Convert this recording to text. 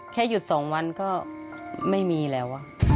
แค่หยุด๒วันก็ไม่มีแล้ว